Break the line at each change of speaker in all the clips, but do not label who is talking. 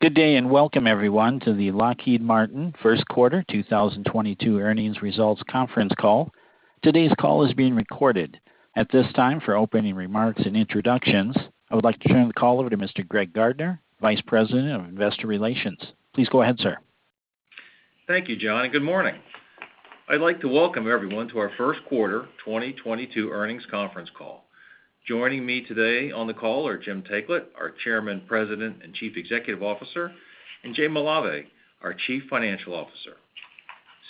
Good day, and welcome everyone to the Lockheed Martin first quarter 2022 earnings results conference call. Today's call is being recorded. At this time, for opening remarks and introductions, I would like to turn the call over to Mr. Greg Gardner, Vice President of Investor Relations. Please go ahead, sir.
Thank you, John, and good morning. I'd like to welcome everyone to our first quarter 2022 earnings conference call. Joining me today on the call are Jim Taiclet, our Chairman, President, and Chief Executive Officer, and Jay Malave, our Chief Financial Officer.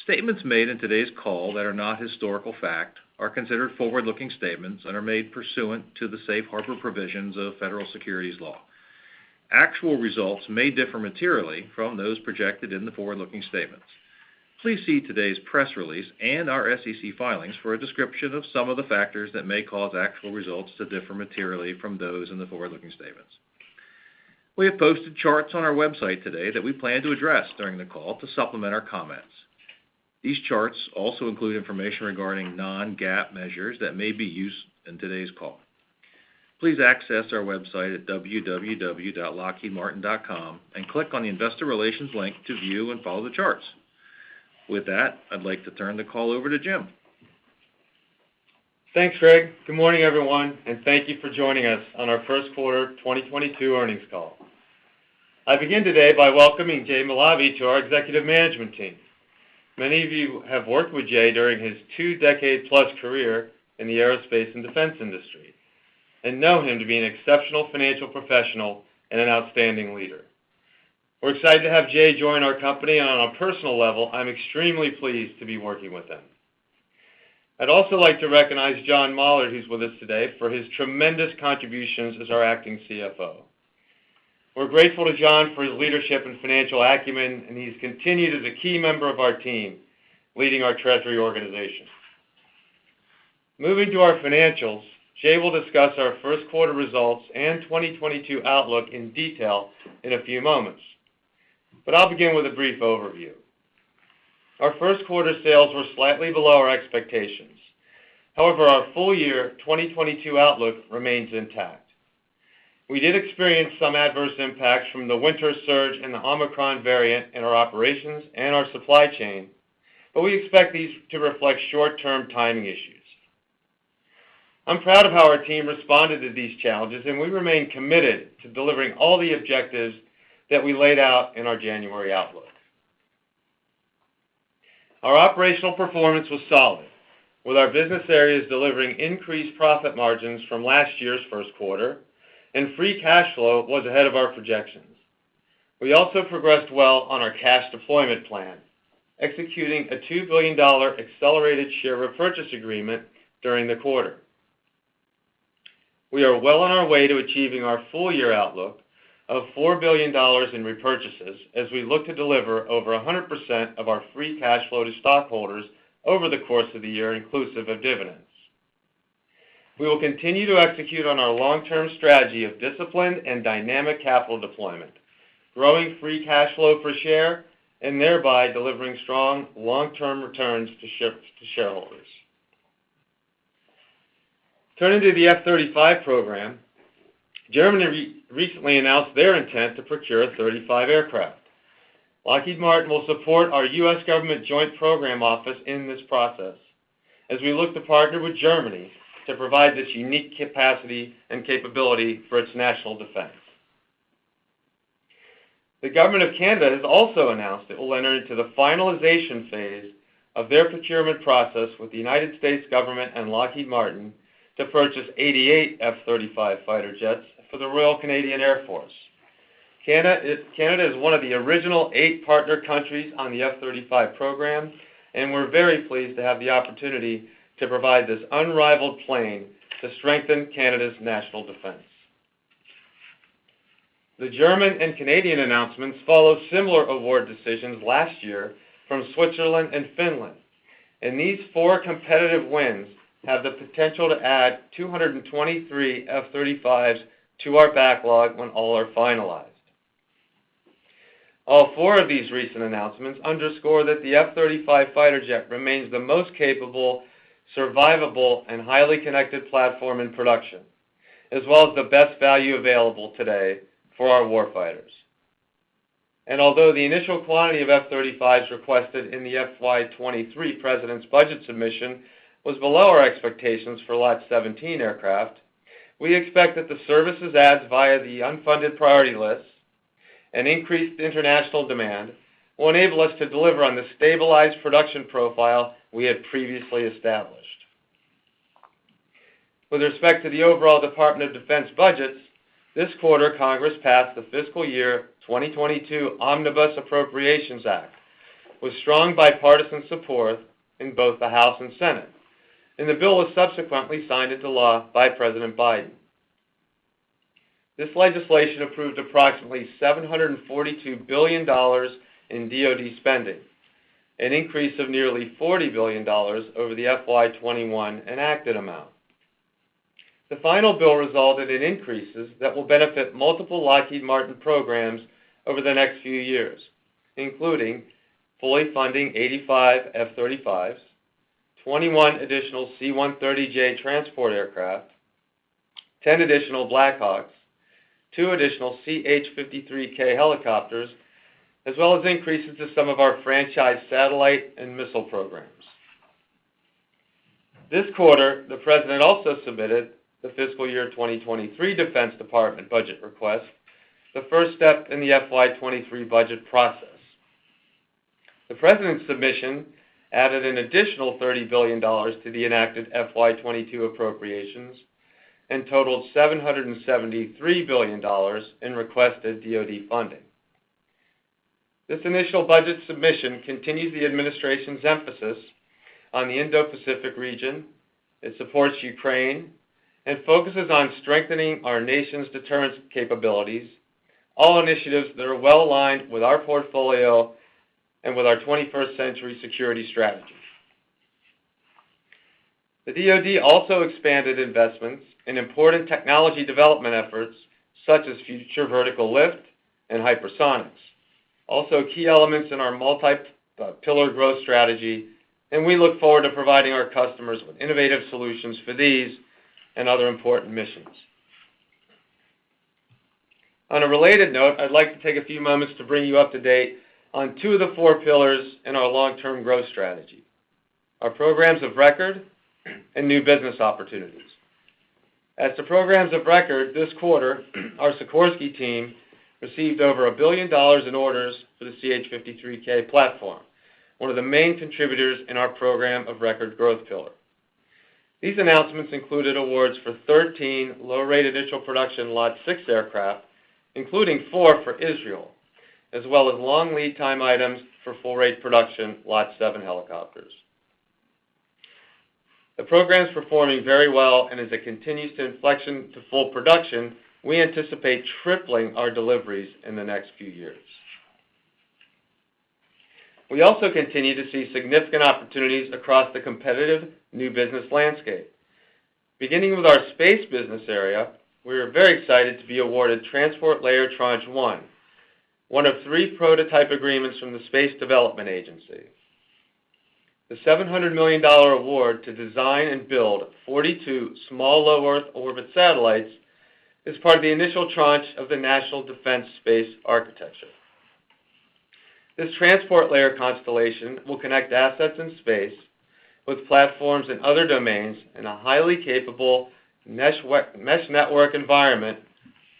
Statements made in today's call that are not historical fact are considered forward-looking statements that are made pursuant to the safe harbor provisions of federal securities law. Actual results may differ materially from those projected in the forward-looking statements. Please see today's press release and our SEC filings for a description of some of the factors that may cause actual results to differ materially from those in the forward-looking statements. We have posted charts on our website today that we plan to address during the call to supplement our comments. These charts also include information regarding non-GAAP measures that may be used in today's call. Please access our website at www.lockheedmartin.com and click on the Investor Relations link to view and follow the charts. With that, I'd like to turn the call over to Jim.
Thanks, Greg. Good morning, everyone, and thank you for joining us on our first quarter 2022 earnings call. I begin today by welcoming Jay Malave to our executive management team. Many of you have worked with Jay during his two-decade-plus career in the aerospace and defense industry and know him to be an exceptional financial professional and an outstanding leader. We're excited to have Jay join our company, and on a personal level, I'm extremely pleased to be working with him. I'd also like to recognize John Mollard, who's with us today, for his tremendous contributions as our acting CFO. We're grateful to John for his leadership and financial acumen, and he's continued as a key member of our team, leading our treasury organization. Moving to our financials, Jay will discuss our first quarter results and 2022 outlook in detail in a few moments, but I'll begin with a brief overview. Our first quarter sales were slightly below our expectations. However, our full year 2022 outlook remains intact. We did experience some adverse impacts from the winter surge and the Omicron variant in our operations and our supply chain, but we expect these to reflect short-term timing issues. I'm proud of how our team responded to these challenges, and we remain committed to delivering all the objectives that we laid out in our January outlook. Our operational performance was solid, with our business areas delivering increased profit margins from last year's first quarter, and free cash flow was ahead of our projections. We also progressed well on our cash deployment plan, executing a $2 billion accelerated share repurchase agreement during the quarter. We are well on our way to achieving our full year outlook of $4 billion in repurchases as we look to deliver over 100% of our free cash flow to stockholders over the course of the year, inclusive of dividends. We will continue to execute on our long-term strategy of discipline and dynamic capital deployment, growing free cash flow per share, and thereby delivering strong long-term returns to shareholders. Turning to the F-35 program, Germany recently announced their intent to procure 35 aircraft. Lockheed Martin will support our U.S. Government Joint Program Office in this process as we look to partner with Germany to provide this unique capacity and capability for its national defense. The government of Canada has also announced it will enter into the finalization phase of their procurement process with the United States government and Lockheed Martin to purchase 88 F-35 fighter jets for the Royal Canadian Air Force. Canada is one of the original eight partner countries on the F-35 program, and we're very pleased to have the opportunity to provide this unrivaled plane to strengthen Canada's national defense. The German and Canadian announcements follow similar award decisions last year from Switzerland and Finland, and these four competitive wins have the potential to add 223 F-35s to our backlog when all are finalized. All four of these recent announcements underscore that the F-35 fighter jet remains the most capable, survivable, and highly connected platform in production, as well as the best value available today for our war fighters. Although the initial quantity of F-35s requested in the FY 2023 President's budget submission was below our expectations for Lot 17 aircraft, we expect that the services adds via the unfunded priority list and increased international demand will enable us to deliver on the stabilized production profile we had previously established. With respect to the overall Department of Defense budgets, this quarter, Congress passed the fiscal year 2022 Omnibus Appropriations Act with strong bipartisan support in both the House and Senate, and the bill was subsequently signed into law by President Biden. This legislation approved approximately $742 billion in DOD spending, an increase of nearly $40 billion over the FY 2021 enacted amount. The final bill resulted in increases that will benefit multiple Lockheed Martin programs over the next few years, including fully funding 85 F-35s, 21 additional C-130J transport aircraft, 10 additional Black Hawk, two additional CH-53K helicopters, as well as increases to some of our franchise satellite and missile programs. This quarter, the President also submitted the fiscal year 2023 Department of Defense budget request, the first step in the FY 2023 budget process. The President's submission added an additional $30 billion to the enacted FY 2022 appropriations and totaled $773 billion in requested DOD funding. This initial budget submission continues the administration's emphasis on the Indo-Pacific region. It supports Ukraine and focuses on strengthening our nation's deterrence capabilities, all initiatives that are well aligned with our portfolio and with our 21st-century security strategy. The DOD also expanded investments in important technology development efforts such as Future Vertical Lift and Hypersonics. Also key elements in our multi-pillar growth strategy, and we look forward to providing our customers with innovative solutions for these and other important missions. On a related note, I'd like to take a few moments to bring you up to date on two of the four pillars in our long-term growth strategy, our programs of record and new business opportunities. As to programs of record this quarter, our Sikorsky team received over a billion dollars in orders for the CH-53K platform, one of the main contributors in our program of record growth pillar. These announcements included awards for 13 low-rate initial production Lot six aircraft, including four for Israel, as well as long lead time items for full-rate production Lot seven helicopters. The program's performing very well, and as it continues to inflection to full production, we anticipate tripling our deliveries in the next few years. We also continue to see significant opportunities across the competitive new business landscape. Beginning with our space business area, we are very excited to be awarded Transport Layer Tranche 1, one of three prototype agreements from the Space Development Agency. The $700 million award to design and build 42 small low Earth orbit satellites is part of the initial tranche of the National Defense Space Architecture. This transport layer constellation will connect assets in space with platforms in other domains in a highly capable mesh network environment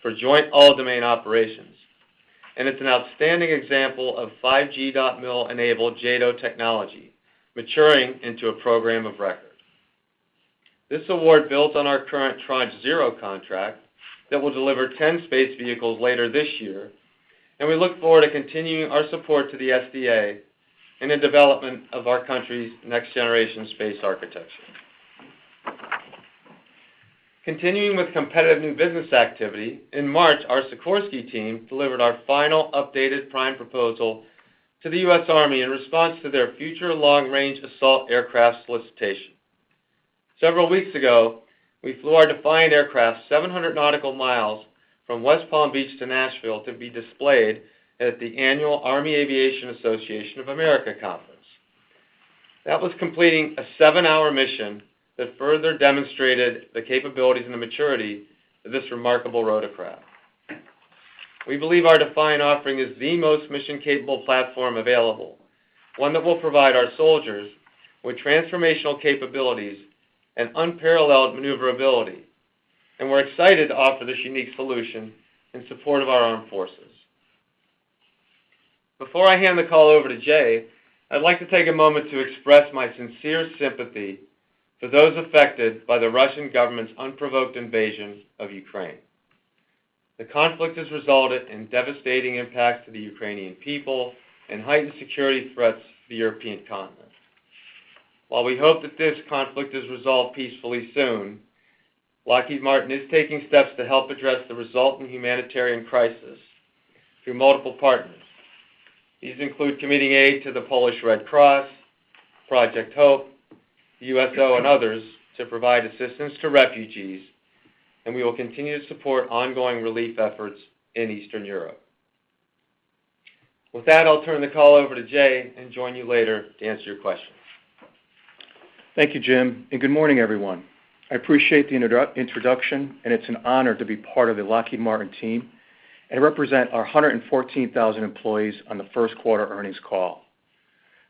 for joint all domain operations, and it's an outstanding example of 5G.MIL enabled JADO technology maturing into a program of record. This award builds on our current Tranche 0 contract that will deliver 10 space vehicles later this year, and we look forward to continuing our support to the SDA in the development of our country's next-generation space architecture. Continuing with competitive new business activity, in March, our Sikorsky team delivered our final updated prime proposal to the U.S. Army in response to their Future Long-Range Assault Aircraft solicitation. Several weeks ago, we flew our DEFIANT aircraft 700 nautical miles from West Palm Beach to Nashville to be displayed at the annual Army Aviation Association of America conference. That was completing a seven hour mission that further demonstrated the capabilities and the maturity of this remarkable rotorcraft. We believe our DEFIANT offering is the most mission-capable platform available, one that will provide our soldiers with transformational capabilities and unparalleled maneuverability, and we're excited to offer this unique solution in support of our armed forces. Before I hand the call over to Jay, I'd like to take a moment to express my sincere sympathy to those affected by the Russian government's unprovoked invasion of Ukraine. The conflict has resulted in devastating impacts to the Ukrainian people and heightened security threats to the European continent. While we hope that this conflict is resolved peacefully soon, Lockheed Martin is taking steps to help address the resulting humanitarian crisis through multiple partners. These include committing aid to the Polish Red Cross, Project HOPE, the USO, and others to provide assistance to refugees, and we will continue to support ongoing relief efforts in Eastern Europe. With that, I'll turn the call over to Jay and join you later to answer your questions.
Thank you, Jim, and good morning, everyone. I appreciate the introduction, and it's an honor to be part of the Lockheed Martin team and represent our 114,000 employees on the first quarter earnings call.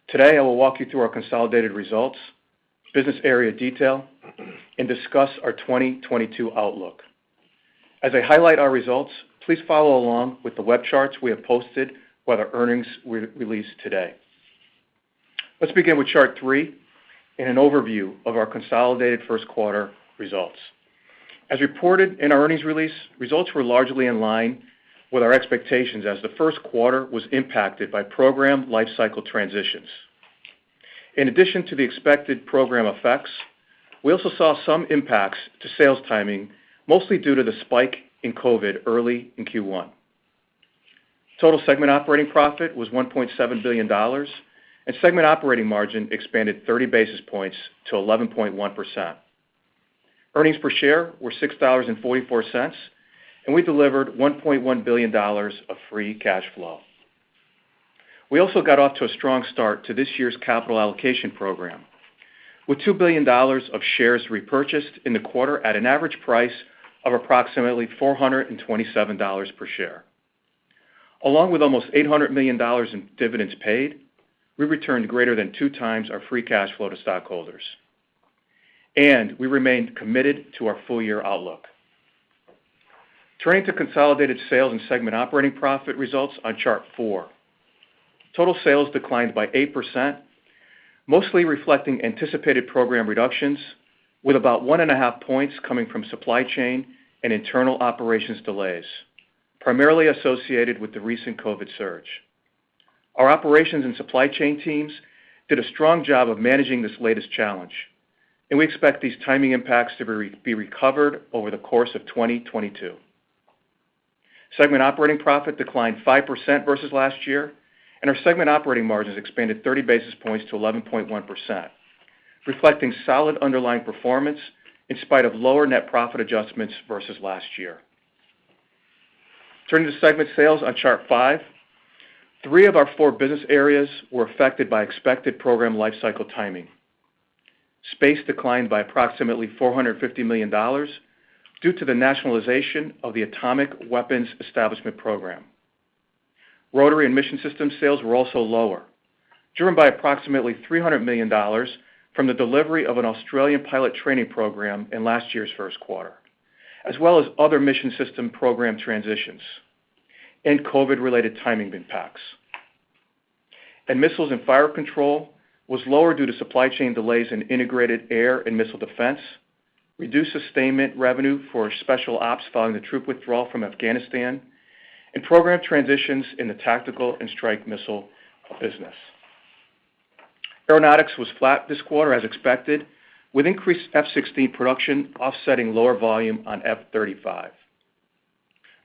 Today, I will walk you through our consolidated results, business area detail, and discuss our 2022 outlook. As I highlight our results, please follow along with the web charts we have posted with our earnings re-release today. Let's begin with chart three and an overview of our consolidated first quarter results. As reported in our earnings release, results were largely in line with our expectations as the first quarter was impacted by program lifecycle transitions. In addition to the expected program effects, we also saw some impacts to sales timing, mostly due to the spike in COVID early in Q1. Total segment operating profit was $1.7 billion, and segment operating margin expanded 30 basis points to 11.1%. Earnings per share were $6.44, and we delivered $1.1 billion of free cash flow. We also got off to a strong start to this year's capital allocation program with $2 billion of shares repurchased in the quarter at an average price of approximately $427 per share. Along with almost $800 million in dividends paid, we returned greater than 2x our free cash flow to stockholders, and we remained committed to our full year outlook. Turning to consolidated sales and segment operating profit results on chart four. Total sales declined by 8%, mostly reflecting anticipated program reductions, with about 1.5 points coming from supply chain and internal operations delays, primarily associated with the recent COVID surge. Our operations and supply chain teams did a strong job of managing this latest challenge, and we expect these timing impacts to be recovered over the course of 2022. Segment operating profit declined 5% versus last year, and our segment operating margins expanded 30 basis points to 11.1%, reflecting solid underlying performance in spite of lower net profit adjustments versus last year. Turning to segment sales on Chart five. Three of our four business areas were affected by expected program lifecycle timing. Space declined by approximately $450 million due to the nationalization of the Atomic Weapons Establishment program. Rotary and Mission Systems sales were also lower, driven by approximately $300 million from the delivery of an Australian pilot training program in last year's first quarter, as well as other Mission Systems program transitions and COVID-related timing impacts. Missiles and Fire Control was lower due to supply chain delays in integrated air and missile defense, reduced sustainment revenue for special ops following the troop withdrawal from Afghanistan, and program transitions in the tactical and strike missile business. Aeronautics was flat this quarter as expected, with increased F-16 production offsetting lower volume on F-35.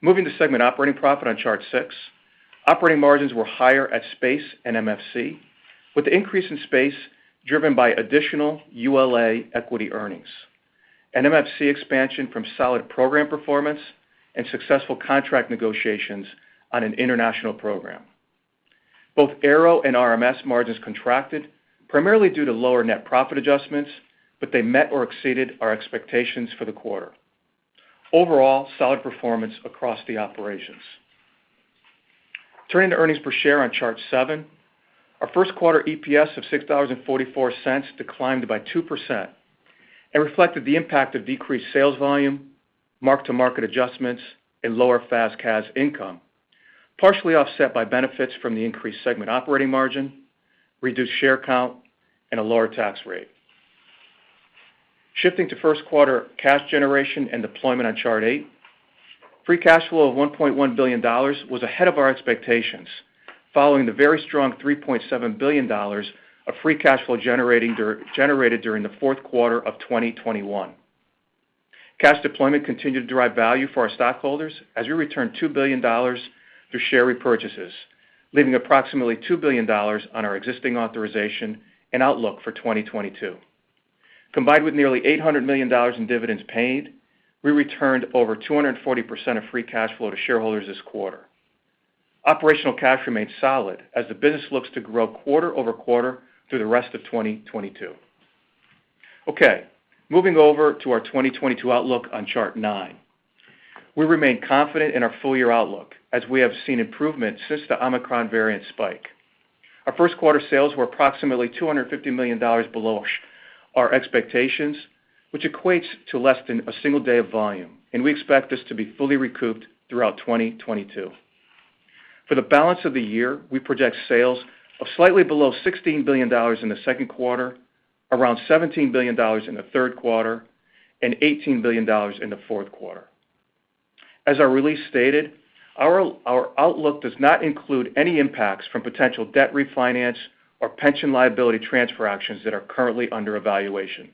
Moving to segment operating profit on Chart six. Operating margins were higher at Space and MFC, with the increase in Space driven by additional ULA equity earnings and MFC expansion from solid program performance and successful contract negotiations on an international program. Both Aero and RMS margins contracted primarily due to lower net profit adjustments, but they met or exceeded our expectations for the quarter. Overall, solid performance across the operations. Turning to earnings per share on Chart seven. Our first quarter EPS of $6.44 declined by 2% and reflected the impact of decreased sales volume, mark-to-market adjustments and lower FA S/CA S income, partially offset by benefits from the increased segment operating margin, reduced share count, and a lower tax rate. Shifting to first quarter cash generation and deployment on Chart eight. Free cash flow of $1.1 billion was ahead of our expectations following the very strong $3.7 billion of free cash flow generated during the fourth quarter of 2021. Cash deployment continued to drive value for our stockholders as we returned $2 billion through share repurchases, leaving approximately $2 billion on our existing authorization and outlook for 2022. Combined with nearly $800 million in dividends paid, we returned over 240% of free cash flow to shareholders this quarter. Operational cash remained solid as the business looks to grow quarter over quarter through the rest of 2022. Okay, moving over to our 2022 outlook on Chart nine. We remain confident in our full year outlook as we have seen improvement since the Omicron variant spike. Our first quarter sales were approximately $250 million below our expectations, which equates to less than a single day of volume, and we expect this to be fully recouped throughout 2022. For the balance of the year, we project sales of slightly below $16 billion in the second quarter, around $17 billion in the third quarter, and $18 billion in the fourth quarter. As our release stated, our outlook does not include any impacts from potential debt refinance or pension liability transfer actions that are currently under evaluation.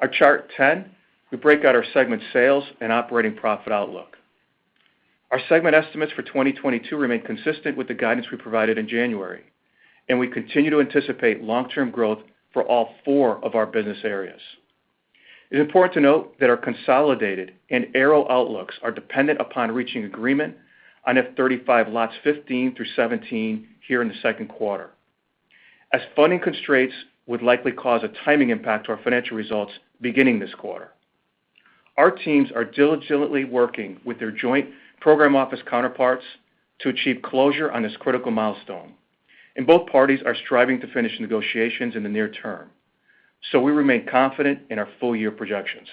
On Chart 10, we break out our segment sales and operating profit outlook. Our segment estimates for 2022 remain consistent with the guidance we provided in January, and we continue to anticipate long-term growth for all four of our business areas. It's important to note that our consolidated and Aero outlooks are dependent upon reaching agreement on F-35 Lots 15 through 17 here in the second quarter, as funding constraints would likely cause a timing impact to our financial results beginning this quarter. Our teams are diligently working with their joint program office counterparts to achieve closure on this critical milestone, and both parties are striving to finish negotiations in the near term. We remain confident in our full year projections.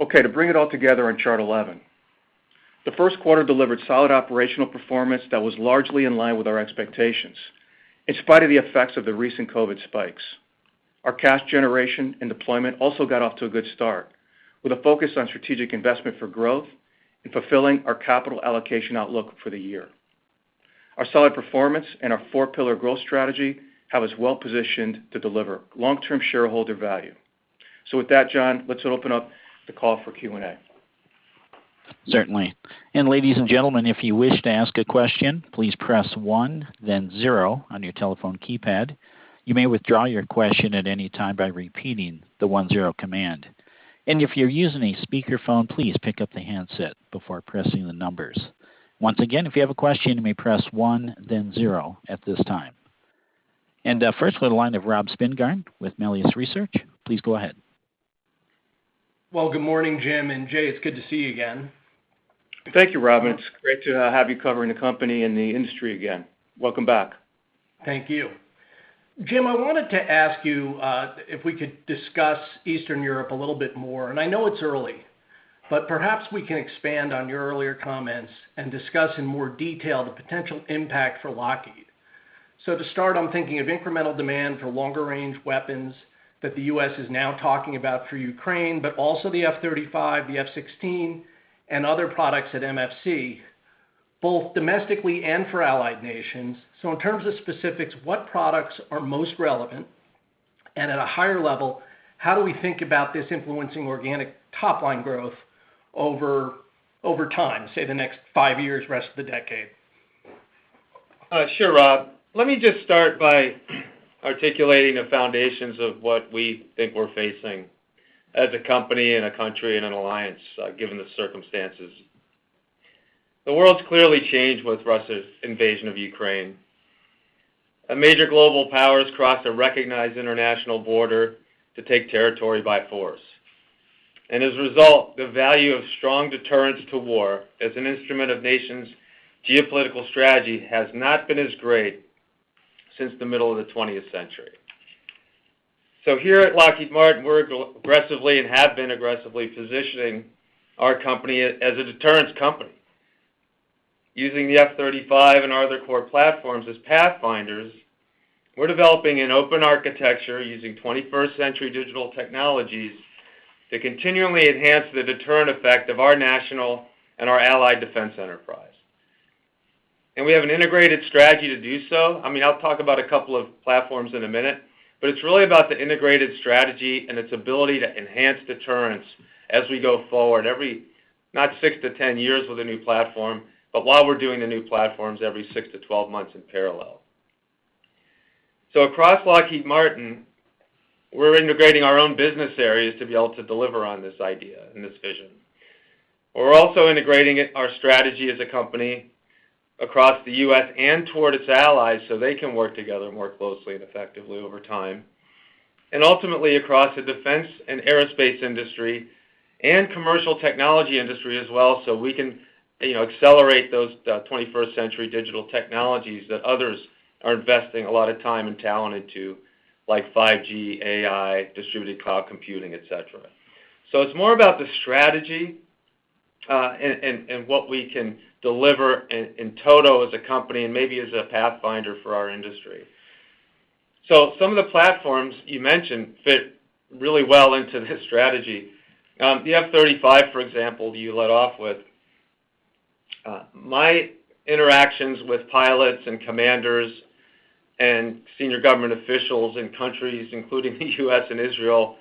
Okay, to bring it all together on Chart 11. The first quarter delivered solid operational performance that was largely in line with our expectations, in spite of the effects of the recent COVID spikes. Our cash generation and deployment also got off to a good start with a focus on strategic investment for growth and fulfilling our capital allocation outlook for the year. Our solid performance and our four-pillar growth strategy have us well positioned to deliver long-term shareholder value. With that, John, let's open up the call for Q&A.
Certainly. Ladies and gentlemen, if you wish to ask a question, please press one, then zero on your telephone keypad. You may withdraw your question at any time by repeating the one zero command. If you're using a speakerphone, please pick up the handset before pressing the numbers. Once again, if you have a question, you may press one, then zero at this time. First for the line of Robert Spingarn with Melius Research. Please go ahead.
Well, good morning, Jim and Jay. It's good to see you again.
Thank you, Rob. It's great to have you covering the company and the industry again. Welcome back.
Thank you. Jim, I wanted to ask you if we could discuss Eastern Europe a little bit more. I know it's early, but perhaps we can expand on your earlier comments and discuss in more detail the potential impact for Lockheed. To start, I'm thinking of incremental demand for longer-range weapons that the U.S. is now talking about for Ukraine, but also the F-35, the F-16, and other products at MFC, both domestically and for allied nations. In terms of specifics, what products are most relevant? At a higher level, how do we think about this influencing organic top-line growth over time, say, the next five years, rest of the decade?
Sure, Rob. Let me just start by articulating the foundations of what we think we're facing as a company and a country and an alliance, given the circumstances. The world's clearly changed with Russia's invasion of Ukraine. A major global power has crossed a recognized international border to take territory by force. As a result, the value of strong deterrence to war as an instrument of nations' geopolitical strategy has not been as great since the middle of the 20th century. Here at Lockheed Martin, we're aggressively, and have been aggressively positioning our company as a deterrence company. Using the F-35 and our other core platforms as pathfinders, we're developing an open architecture using 21st-century digital technologies to continually enhance the deterrent effect of our national and our allied defense enterprise. We have an integrated strategy to do so. I mean, I'll talk about a couple of platforms in a minute, but it's really about the integrated strategy and its ability to enhance deterrence as we go forward every, not six to 10 years with a new platform, but while we're doing the new platforms every six to 12 months in parallel. Across Lockheed Martin, we're integrating our own business areas to be able to deliver on this idea and this vision. We're also integrating it, our strategy as a company across the U.S. and toward its allies, so they can work together more closely and effectively over time. Ultimately, across the defense and aerospace industry and commercial technology industry as well, so we can, you know, accelerate those, the 21st-century digital technologies that others are investing a lot of time and talent into, like 5G, AI, distributed cloud computing, et cetera. It's more about the strategy and what we can deliver in total as a company and maybe as a pathfinder for our industry. Some of the platforms you mentioned fit really well into this strategy. The F-35, for example, you led off with, my interactions with pilots and commanders and senior government officials in countries, including the U.S. and Israel,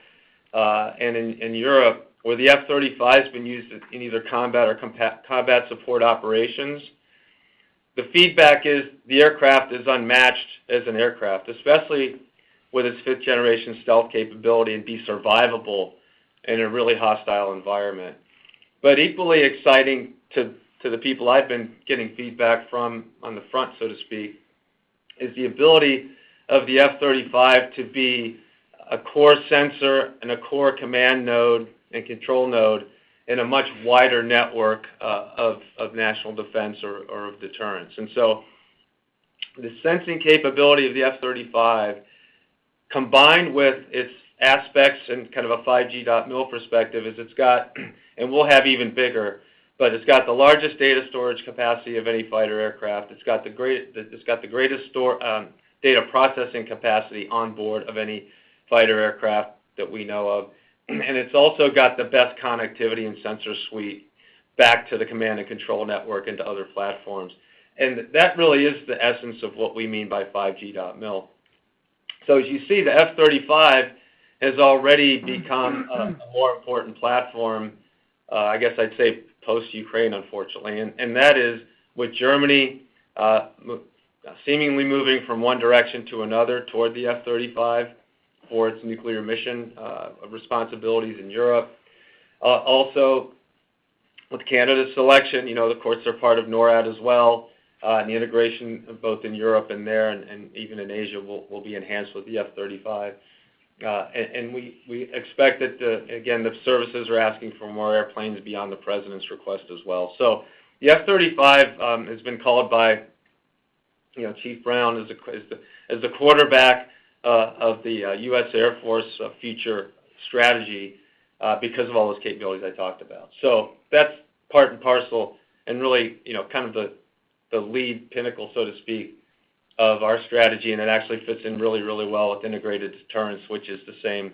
and in Europe, where the F-35's been used in either combat or combat support operations. The feedback is the aircraft is unmatched as an aircraft, especially with its fifth-generation stealth capability and be survivable in a really hostile environment. Equally exciting to the people I've been getting feedback from on the front, so to speak, is the ability of the F-35 to be a core sensor and a core command node and control node in a much wider network of national defense or of deterrence. The sensing capability of the F-35, combined with its aspects in kind of a 5G.MIL perspective, is. It's got, and will have even bigger, but it's got the largest data storage capacity of any fighter aircraft. It's got the greatest storage data processing capacity on board of any fighter aircraft that we know of. It's also got the best connectivity and sensor suite back to the command and control network into other platforms. That really is the essence of what we mean by 5G.MIL. As you see, the F-35 has already become a more important platform, I guess I'd say post Ukraine, unfortunately. That is with Germany seemingly moving from one direction to another toward the F-35 for its nuclear mission responsibilities in Europe. Also with Canada's selection, you know, of course, they're part of NORAD as well, and the integration both in Europe and there, and even in Asia will be enhanced with the F-35. We expect that the services are asking for more airplanes beyond the president's request as well. The F-35 has been called by, you know, Chief Brown as the quarterback of the U.S. Air Force future strategy because of all those capabilities I talked about. That's part and parcel and really kind of the lead pinnacle, so to speak, of our strategy. It actually fits in really, really well with integrated deterrence, which is the same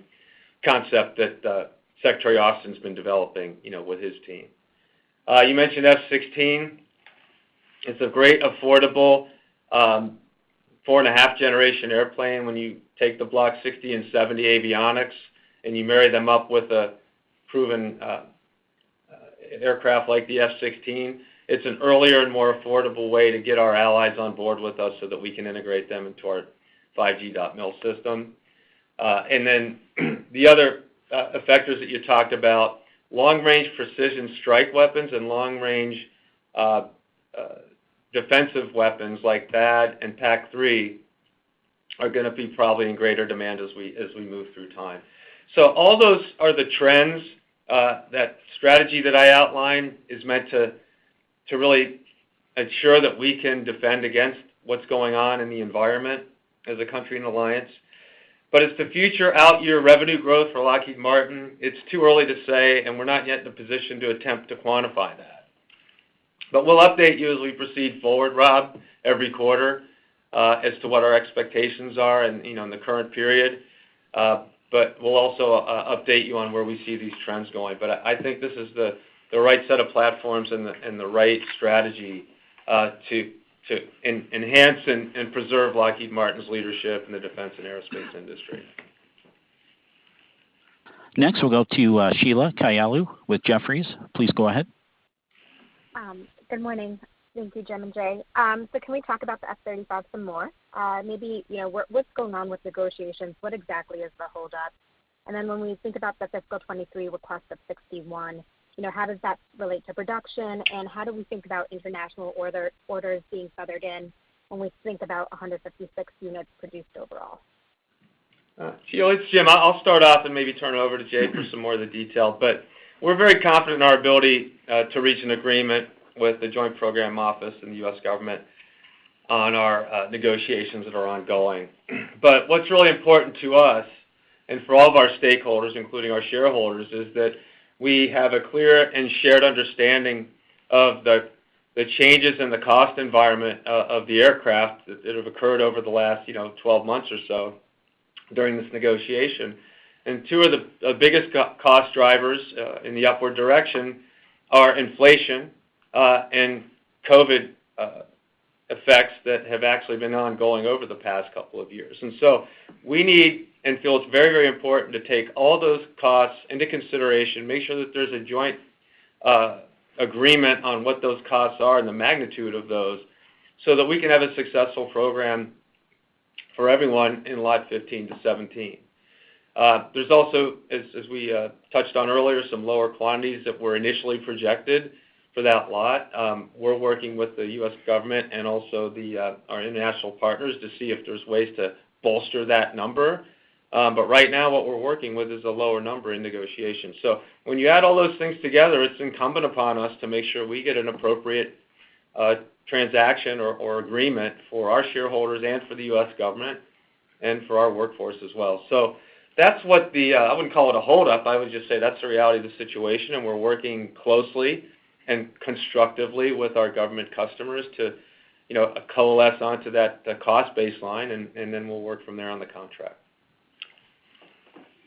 concept that Secretary Austin's been developing with his team. You mentioned F-16. It's a great affordable 4.5-generation airplane when you take the Block 60 and 70 avionics, and you marry them up with a proven aircraft like the F-16. It's an earlier and more affordable way to get our allies on board with us so that we can integrate them into our 5G.MIL system. Then the other effectors that you talked about, long-range precision strike weapons and long-range defensive weapons like THAAD and PAC-3 are gonna be probably in greater demand as we move through time. All those are the trends. That strategy that I outlined is meant to really ensure that we can defend against what's going on in the environment as a country in alliance. As to future out-year revenue growth for Lockheed Martin, it's too early to say, and we're not yet in a position to attempt to quantify that. We'll update you as we proceed forward, Rob, every quarter as to what our expectations are and, you know, in the current period. We'll also update you on where we see these trends going. I think this is the right set of platforms and the right strategy to enhance and preserve Lockheed Martin's leadership in the defense and aerospace industry.
Next, we'll go to Sheila Kahyaoglu with Jefferies. Please go ahead.
Good morning. Thank you, Jim and Jay. Can we talk about the F-35 some more? Maybe, you know, what's going on with negotiations? What exactly is the holdup? When we think about the FY 2023 request of 61, you know, how does that relate to production, and how do we think about international orders being feathered in when we think about 156 units produced overall?
Sheila, it's Jim. I'll start off and maybe turn it over to Jay for some more of the detail. We're very confident in our ability to reach an agreement with the Joint Program Office and the U.S. government on our negotiations that are ongoing. What's really important to us, and for all of our stakeholders, including our shareholders, is that we have a clear and shared understanding of the changes in the cost environment of the aircraft that have occurred over the last, you know, 12 months or so during this negotiation. Two of the biggest cost drivers in the upward direction are inflation and COVID effects that have actually been ongoing over the past couple of years. We need and feel it's very, very important to take all those costs into consideration, make sure that there's a joint agreement on what those costs are and the magnitude of those so that we can have a successful program for everyone in lot 15 to 17. There's also, as we touched on earlier, some lower quantities that were initially projected for that lot. We're working with the U.S. government and also our international partners to see if there's ways to bolster that number. But right now, what we're working with is a lower number in negotiations. When you add all those things together, it's incumbent upon us to make sure we get an appropriate transaction or agreement for our shareholders and for the U.S. government and for our workforce as well. That's what the I wouldn't call it a holdup. I would just say that's the reality of the situation, and we're working closely and constructively with our government customers to, you know, coalesce onto that cost baseline, and then we'll work from there on the contract.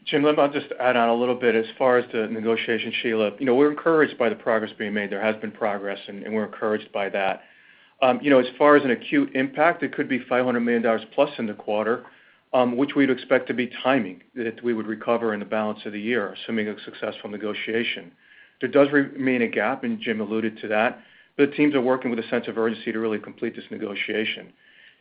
Jim, let me just add on a little bit as far as the negotiation, Sheila. You know, we're encouraged by the progress being made. There has been progress, and we're encouraged by that. You know, as far as an acute impact, it could be $500 million plus in the quarter, which we'd expect to be timing that we would recover in the balance of the year, assuming a successful negotiation. There does remain a gap, and Jim alluded to that, but teams are working with a sense of urgency to really complete this negotiation.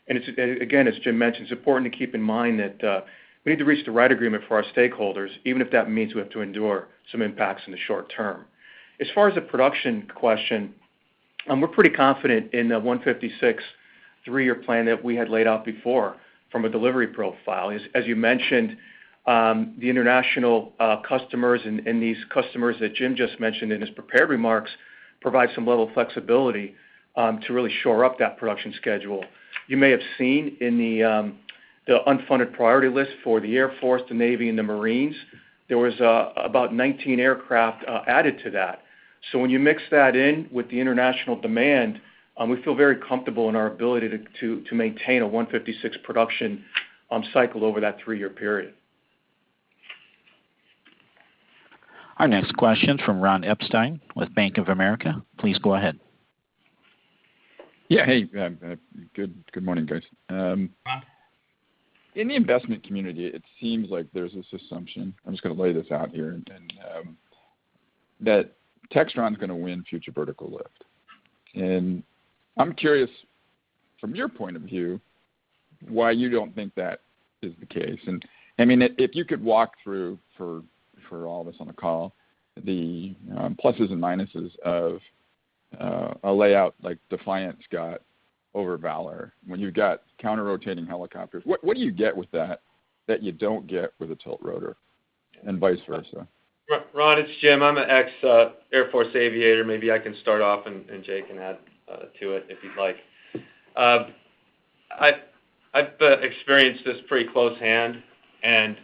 It's and again, as Jim mentioned, it's important to keep in mind that we need to reach the right agreement for our stakeholders, even if that means we have to endure some impacts in the short term. As far as the production question, we're pretty confident in the 156 three-year plan that we had laid out before from a delivery profile. As you mentioned, the international customers and these customers that Jim just mentioned in his prepared remarks provide some level of flexibility to really shore up that production schedule. You may have seen in the unfunded priority list for the Air Force, the Navy and the Marines, there was about 19 aircraft added to that. When you mix that in with the international demand, we feel very comfortable in our ability to maintain a 156 production cycle over that three-year period.
Our next question from Ronald Epstein with Bank of America. Please go ahead.
Yeah. Hey, good morning, guys.
Ron.
In the investment community, it seems like there's this assumption, I'm just gonna lay this out here, and that Textron's gonna win Future Vertical Lift. I'm curious from your point of view, why you don't think that is the case. I mean, if you could walk through for all of us on the call, the pluses and minuses of a layout like DEFIANT X got over Valor. When you've got counter-rotating helicopters, what do you get with that that you don't get with a tiltrotor and vice versa?
Ron, it's Jim. I'm an ex Air Force aviator, maybe I can start off and Jay can add to it if he'd like. I've experienced this firsthand and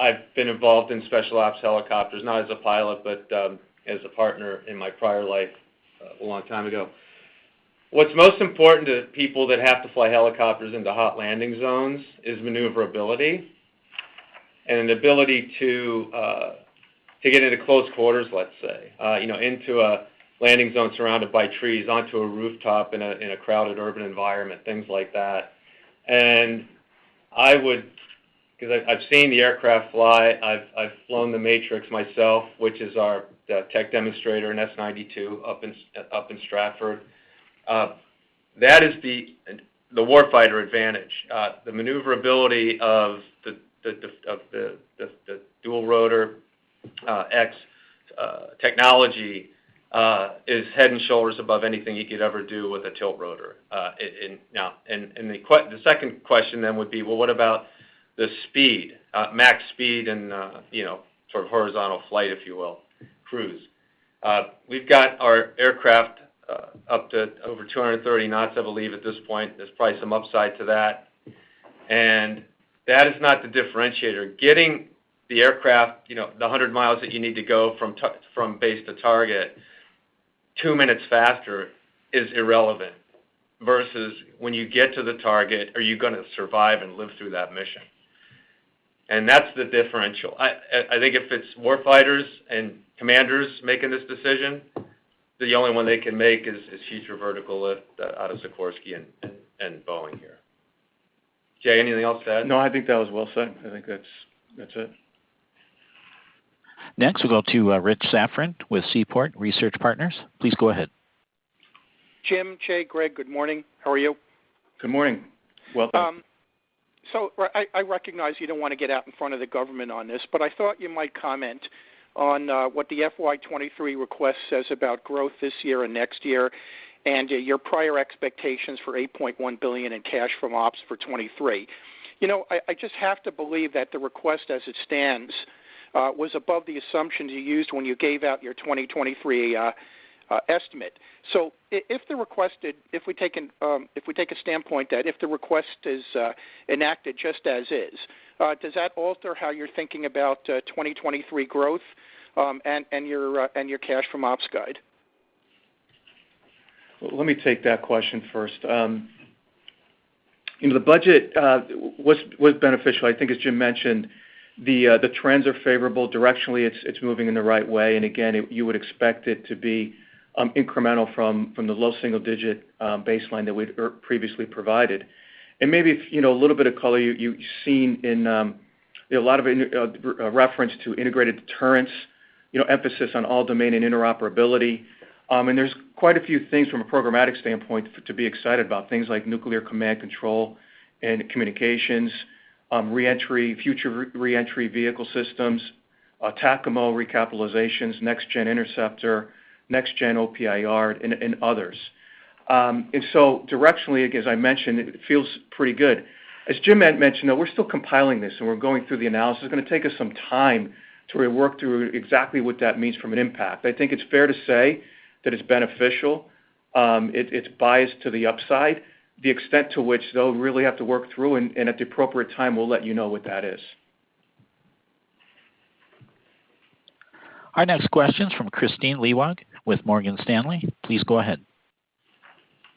I've been involved in special ops helicopters, not as a pilot, but as a partner in my prior life a long time ago. What's most important to people that have to fly helicopters into hot landing zones is maneuverability and an ability to get into close quarters, let's say, you know, into a landing zone surrounded by trees, onto a rooftop in a crowded urban environment, things like that. 'Cause I've seen the aircraft fly. I've flown the MATRIX myself, which is our tech demonstrator, an S-92, up in Stratford. That is the warfighter advantage. The maneuverability of the dual rotor X technology is head and shoulders above anything you could ever do with a tilt rotor. The second question then would be, well, what about the speed, max speed and, you know, sort of horizontal flight, if you will, cruise. We've got our aircraft up to over 230 knots, I believe, at this point. There's probably some upside to that. That is not the differentiator. Getting the aircraft, you kow, the hundred miles that you need to go from base to target two minutes faster is irrelevant, versus when you get to the target, are you gonna survive and live through that mission? That's the differential. I think if it's war fighters and commanders making this decision, the only one they can make is Future Vertical Lift out of Sikorsky and Boeing here. Jay, anything else to add?
No, I think that was well said. I think that's it.
Next, we'll go to Richard Safran with Seaport Research Partners. Please go ahead.
Jim, Jay, Greg, good morning. How are you?
Good morning. Welcome.
I recognize you don't wanna get out in front of the government on this, but I thought you might comment on what the FY 2023 request says about growth this year and next year, and your prior expectations for $8.1 billion in cash from ops for 2023. You know, I just have to believe that the request as it stands was above the assumptions you used when you gave out your 2023 estimate. If we take a standpoint that if the request is enacted just as is, does that alter how you're thinking about 2023 growth, and your cash from ops guide?
Let me take that question first. You know, the budget was beneficial. I think, as Jim mentioned, the trends are favorable. Directionally, it's moving in the right way. Again, you would expect it to be incremental from the low single digit baseline that we'd previously provided. Maybe, you know, a little bit of color you've seen in a lot of reference to integrated deterrence, you know, emphasis on all domain and interoperability. There's quite a few things from a programmatic standpoint to be excited about, things like nuclear command, control, and communications, re-entry, future re-entry vehicle systems, TACAMO recapitalizations, Next Generation Interceptor, Next-Gen OPIR, and others. Directionally, as I mentioned, it feels pretty good. As Jim had mentioned, though, we're still compiling this, and we're going through the analysis. It's gonna take us some time to really work through exactly what that means from an impact. I think it's fair to say that it's beneficial. It's biased to the upside. The extent to which they'll really have to work through and at the appropriate time, we'll let you know what that is.
Our next question is from Kristine Liwag with Morgan Stanley. Please go ahead.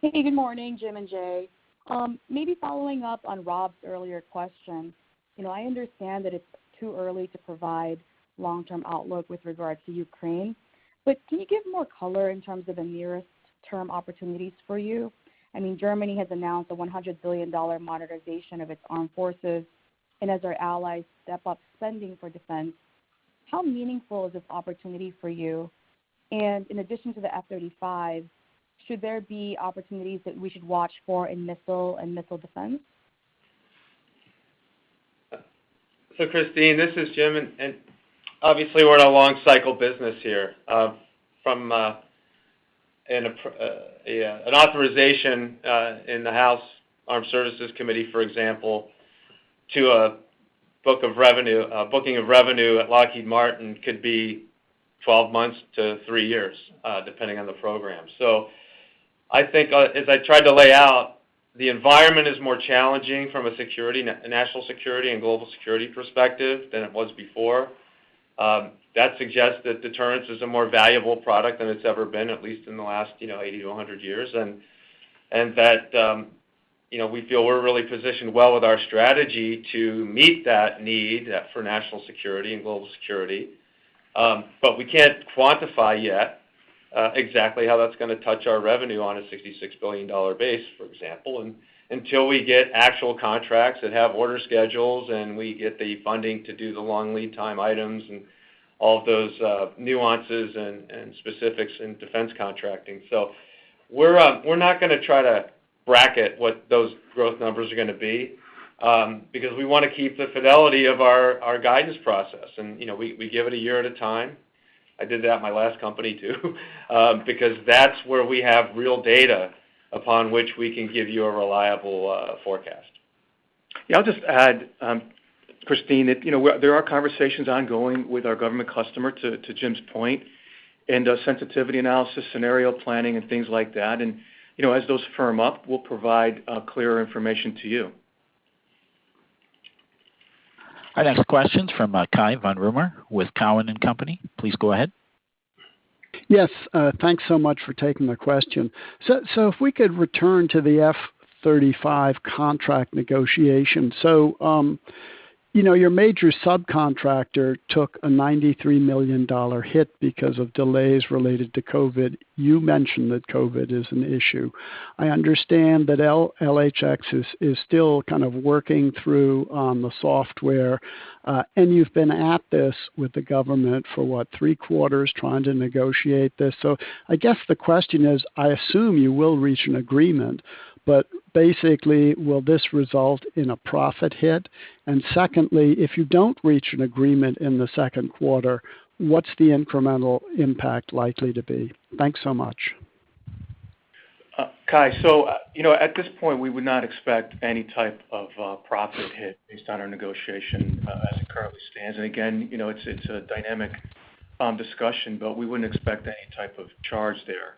Hey, good morning, Jim and Jay. Maybe following up on Rob's earlier question, you know, I understand that it's too early to provide long-term outlook with regard to Ukraine, but can you give more color in terms of the nearest term opportunities for you? I mean, Germany has announced a $100 billion modernization of its armed forces, and as our allies step up spending for defense, how meaningful is this opportunity for you? In addition to the F-35, should there be opportunities that we should watch for in missile and missile defense?
Christine, this is Jim, and obviously we're in a long cycle business here, from an authorization in the House Armed Services Committee, for example, to a book of revenue, a booking of revenue at Lockheed Martin could be 12 months to three years, depending on the program. I think, as I tried to lay out, the environment is more challenging from a security, a national security and global security perspective than it was before. That suggests that deterrence is a more valuable product than it's ever been, at least in the last, you know, 80 to 100 years and that, you know, we feel we're really positioned well with our strategy to meet that need for national security and global security. We can't quantify yet exactly how that's gonna touch our revenue on a $66 billion base, for example, until we get actual contracts that have order schedules and we get the funding to do the long lead time items and all of those nuances and specifics in defense contracting. We're not gonna try to bracket what those growth numbers are gonna be because we wanna keep the fidelity of our guidance process. You know, we give it a year at a time. I did that at my last company too because that's where we have real data upon which we can give you a reliable forecast.
Yeah, I'll just add, Christine, that, you know, there are conversations ongoing with our government customer, to Jim's point, and sensitivity analysis, scenario planning and things like that. You know, as those firm up, we'll provide clearer information to you.
Our next question's from Cai von Rumohr with Cowen and Company. Please go ahead.
Yes, thanks so much for taking the question. If we could return to the F-35 contract negotiation. You know, your major subcontractor took a $93 million hit because of delays related to COVID. You mentioned that COVID is an issue. I understand that LHX is still kind of working through the software. You've been at this with the government for what? Three quarters trying to negotiate this. I guess the question is, I assume you will reach an agreement, but basically, will this result in a profit hit? Secondly, if you don't reach an agreement in the second quarter, what's the incremental impact likely to be? Thanks so much.
Kai, you know, at this point, we would not expect any type of profit hit based on our negotiation as it currently stands. Again, you know, it's a dynamic discussion, but we wouldn't expect any type of charge there.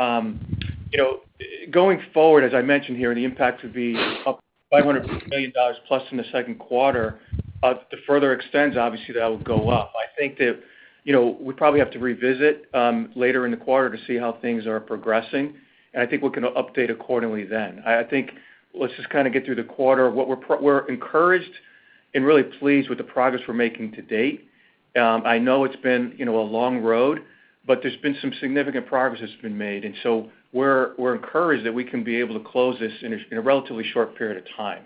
You know, going forward, as I mentioned here, the impact would be up $500 million plus in the second quarter. If it further extends, obviously that would go up. I think that, you know, we probably have to revisit later in the quarter to see how things are progressing, and I think we can update accordingly then. I think, let's just kind of get through the quarter. We're encouraged and really pleased with the progress we're making to date. I know it's been, you know, a long road, but there's been some significant progress that's been made. We're encouraged that we can be able to close this in a relatively short period of time.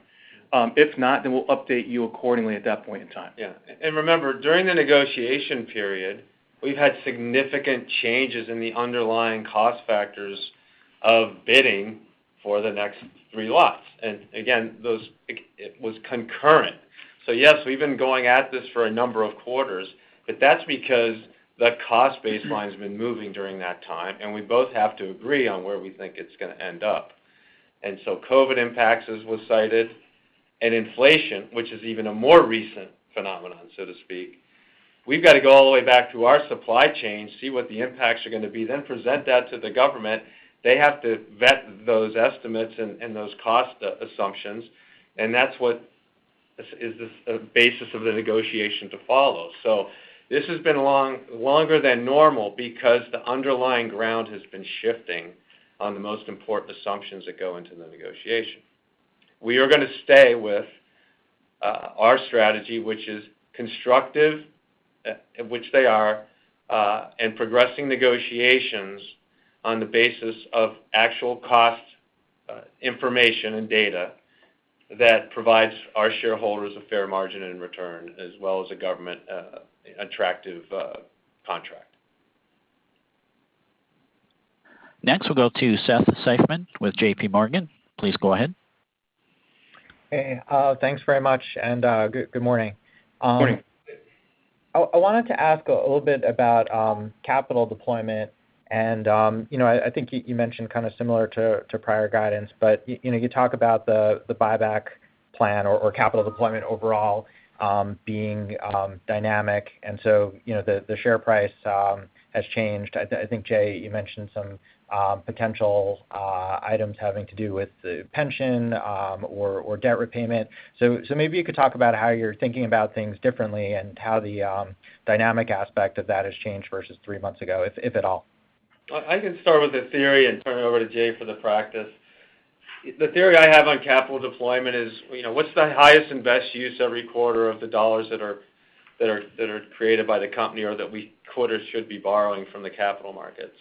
If not, we'll update you accordingly at that point in time.
Yeah. Remember, during the negotiation period, we've had significant changes in the underlying cost factors of bidding for the next three lots. Again, those, it was concurrent. Yes, we've been going at this for a number of quarters, but that's because the cost baseline has been moving during that time, and we both have to agree on where we think it's gonna end up. COVID impacts as was cited and inflation, which is even a more recent phenomenon, so to speak. We've got to go all the way back to our supply chain, see what the impacts are gonna be, then present that to the government. They have to vet those estimates and those cost assumptions, and that's what is the basis of the negotiation to follow. This has been long, longer than normal because the underlying ground has been shifting on the most important assumptions that go into the negotiation. We are gonna stay with our strategy, which is constructive, and progressing negotiations on the basis of actual cost information and data that provides our shareholders a fair margin in return, as well as a government attractive contract.
Next, we'll go to Seth Seifman with JPMorgan. Please go ahead.
Hey, thanks very much. Good morning.
Morning.
I wanted to ask a little bit about capital deployment and, you know, I think you mentioned kind of similar to prior guidance, but you know, you talk about the buyback plan or capital deployment overall being dynamic. You know, the share price has changed. I think, Jay, you mentioned some potential items having to do with the pension or debt repayment. Maybe you could talk about how you're thinking about things differently and how the dynamic aspect of that has changed versus three months ago, if at all.
I can start with the theory and turn it over to Jay for the practice. The theory I have on capital deployment is, you know, what's the highest and best use every quarter of the dollars that are created by the company or that we quarters should be borrowing from the capital markets.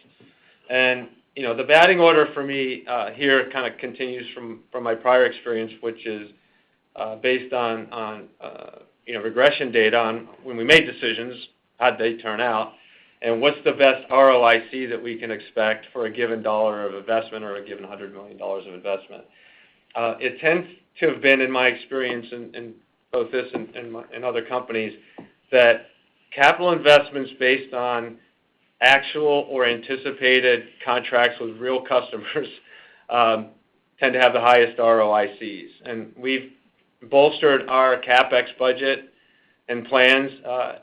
You know, the batting order for me here kind of continues from my prior experience, which is based on you know, regression data on when we made decisions, how'd they turn out, and what's the best ROIC that we can expect for a given dollar of investment or a given hundred million dollars of investment. It tends to have been, in my experience in both this and other companies, that capital investments based on actual or anticipated contracts with real customers tend to have the highest ROICs. We've bolstered our CapEx budget and plans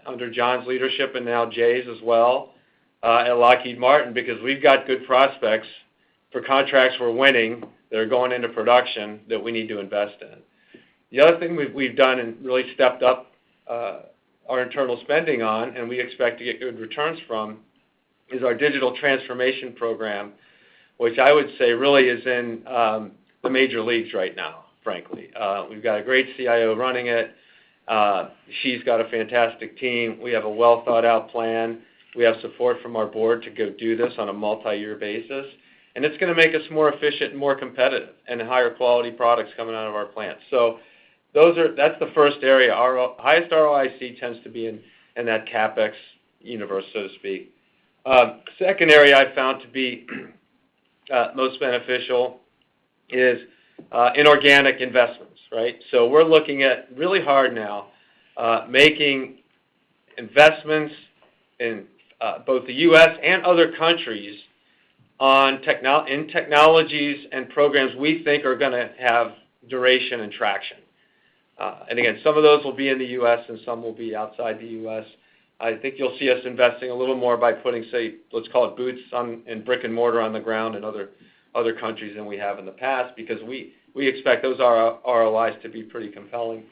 under John's leadership and now Jay's as well at Lockheed Martin, because we've got good prospects for contracts we're winning that are going into production that we need to invest in. The other thing we've done and really stepped up our internal spending on, and we expect to get good returns from is our digital transformation program, which I would say really is in the major leagues right now, frankly. We've got a great CIO running it. She's got a fantastic team. We have a well-thought-out plan. We have support from our board to go do this on a multi-year basis, and it's gonna make us more efficient and more competitive and higher quality products coming out of our plants. That's the first area. Our highest ROIC tends to be in that CapEx universe, so to speak. Second area I found to be most beneficial is inorganic investments, right? We're looking really hard now at making investments in both the U.S. and other countries in technologies and programs we think are gonna have duration and traction. Again, some of those will be in the U.S. and some will be outside the U.S. I think you'll see us investing a little more by putting, say, let's call it boots on the ground in brick and mortar in other countries than we have in the past because we expect those ROIs to be pretty compelling.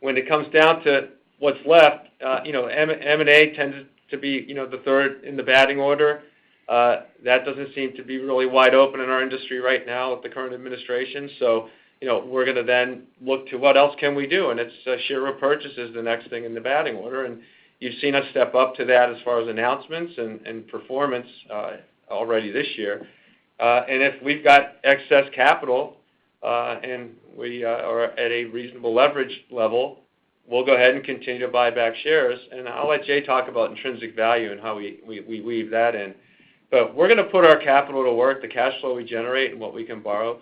When it comes down to what's left, M&A tends to be the third in the batting order. That doesn't seem to be really wide open in our industry right now with the current administration. We're gonna then look to what else can we do, and it's share repurchases, the next thing in the batting order. You've seen us step up to that as far as announcements and performance already this year. If we've got excess capital, and we are at a reasonable leverage level, we'll go ahead and continue to buy back shares. I'll let Jay talk about intrinsic value and how we weave that in. We're gonna put our capital to work, the cash flow we generate and what we can borrow,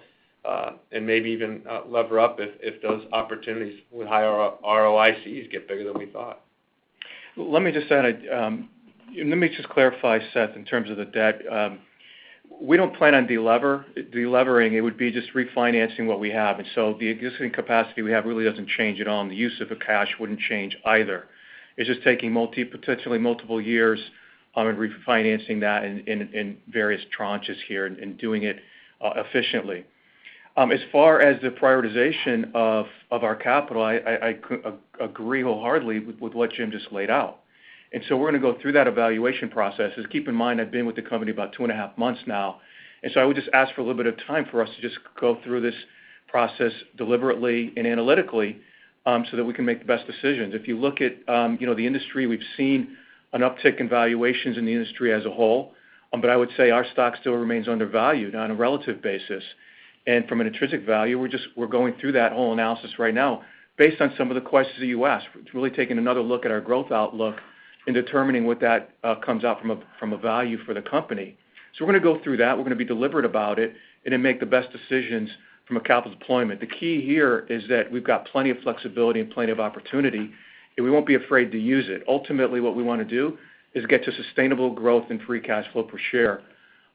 and maybe even lever up if those opportunities with higher ROICs get bigger than we thought.
Let me just add, let me just clarify, Seth, in terms of the debt. We don't plan on delevering. It would be just refinancing what we have. The existing capacity we have really doesn't change at all, and the use of the cash wouldn't change either. It's just taking multiple years in refinancing that in various tranches here and doing it efficiently. As far as the prioritization of our capital, I agree wholeheartedly with what Jim just laid out. We're gonna go through that evaluation process. Just keep in mind I've been with the company about two and a half months now, and I would just ask for a little bit of time for us to just go through this process deliberately and analytically, so that we can make the best decisions. If you look at, you know, the industry, we've seen an uptick in valuations in the industry as a whole. But I would say our stock still remains undervalued on a relative basis. And from an intrinsic value, we're going through that whole analysis right now based on some of the questions that you asked. It's really taking another look at our growth outlook and determining what that comes out from a value for the company. We're gonna go through that. We're gonna be deliberate about it and then make the best decisions from a capital deployment. The key here is that we've got plenty of flexibility and plenty of opportunity, and we won't be afraid to use it. Ultimately, what we wanna do is get to sustainable growth and free cash flow per share,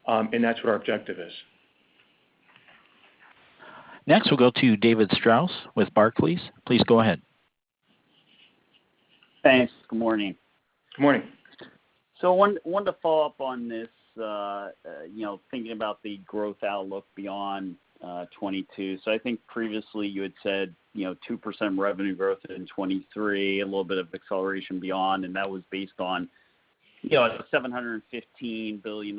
and that's what our objective is.
Next, we'll go to David Strauss with Barclays. Please go ahead.
Thanks. Good morning.
Good morning.
I wanted to follow up on this, you know, thinking about the growth outlook beyond 2022. I think previously you had said, you know, 2% revenue growth in 2023, a little bit of acceleration beyond, and that was based on, you know, a $715 billion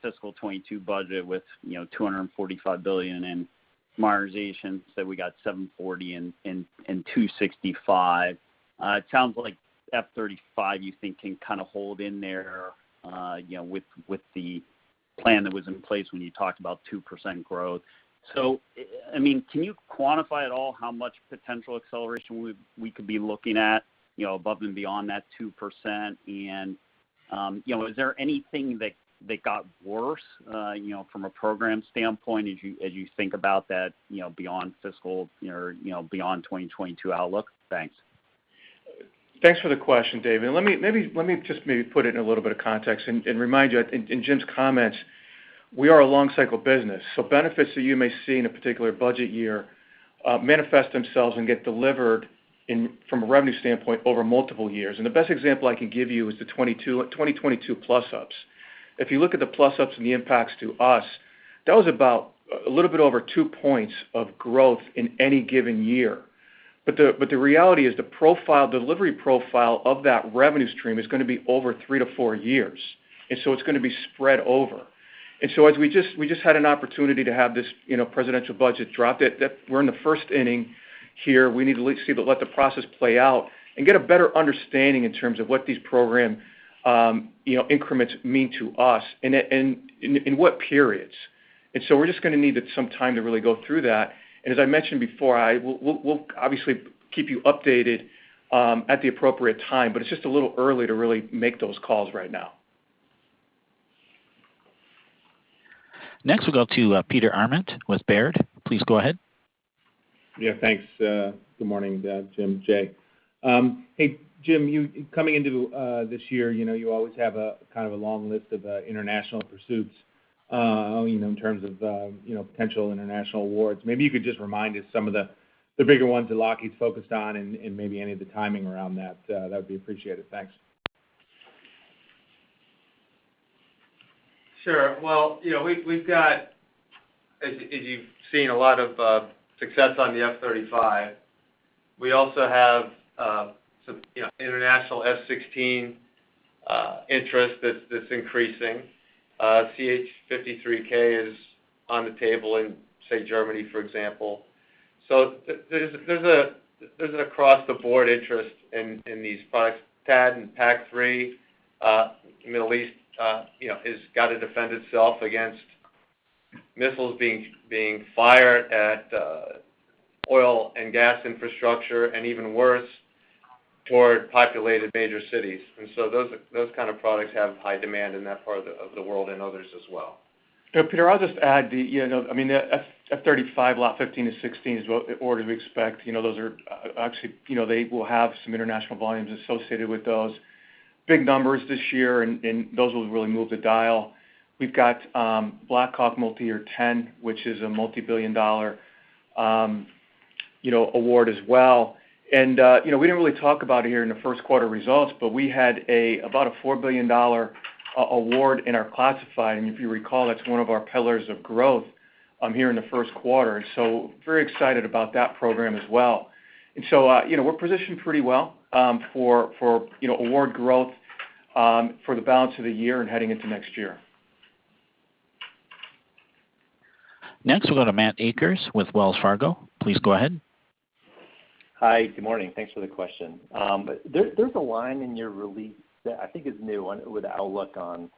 fiscal 2022 budget with, you know, $245 billion in modernization. We got $740 billion and $265 billion. It sounds like F-35, you think can kind of hold in there, you know, with the plan that was in place when you talked about 2% growth. I mean, can you quantify at all how much potential acceleration we could be looking at, you know, above and beyond that 2%, You know, is there anything that got worse, you know, from a program standpoint as you think about that, you know, beyond fiscal or, you know, beyond 2022 outlook? Thanks.
Thanks for the question, David. Let me just put it in a little bit of context and remind you, in Jim's comments, we are a long cycle business. Benefits that you may see in a particular budget year manifest themselves and get delivered from a revenue standpoint over multiple years. The best example I can give you is the 2022 plus ups. If you look at the plus ups and the impacts to us, that was about a little bit over two points of growth in any given year. The reality is the profile, delivery profile of that revenue stream is gonna be over three to four years, and so it's gonna be spread over. As we just had an opportunity to have this, you know, presidential budget drop it, that we're in the first inning here. We need to at least see to let the process play out and get a better understanding in terms of what these program increments mean to us and in what periods. We're just gonna need some time to really go through that. As I mentioned before, we'll obviously keep you updated at the appropriate time, but it's just a little early to really make those calls right now.
Next, we'll go to Peter Arment with Baird. Please go ahead.
Yeah, thanks, good morning, Jim, Jay. Hey, Jim, coming into this year, you know, you always have a kind of a long list of international pursuits, you know, in terms of potential international awards. Maybe you could just remind us some of the bigger ones that Lockheed's focused on and maybe any of the timing around that. That would be appreciated. Thanks.
Sure. Well, you know, we've got, as you've seen a lot of success on the F-35. We also have some, you know, international F-16 interest that's increasing. CH-53K is on the table in, say, Germany, for example. There's an across-the-board interest in these products. THAAD and PAC-3, Middle East, you know, has got to defend itself against missiles being fired at oil and gas infrastructure and even worse, toward populated major cities. Those kind of products have high demand in that part of the world and others as well.
Peter, I'll just add the F-35 lot 15, 16 is the order we expect. Those are actually they will have some international volumes associated with those big numbers this year, and those will really move the dial. We've got Black Hawk Multi-Year X, which is a multi-billion-dollar award as well. We didn't really talk about it here in the first quarter results, but we had about a $4 billion award in our classified. If you recall, that's one of our pillars of growth. Here in the first quarter, very excited about that program as well. You know, we're positioned pretty well for award growth for the balance of the year and heading into next year.
Next, we'll go to Matthew Akers with Wells Fargo. Please go ahead.
Hi. Good morning. Thanks for the question. There's a line in your release that I think is new with outlook on